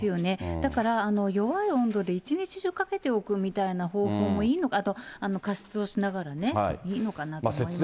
だから、弱い温度で一日中かけておくみたいなのもいいのか、あと加湿をしながらね、いいのかなと思います。